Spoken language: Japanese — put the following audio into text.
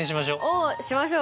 おしましょう！